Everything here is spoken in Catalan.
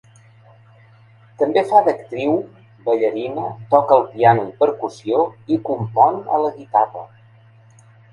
També fa d'actriu, ballarina, toca el piano i percussió i compon a la guitarra.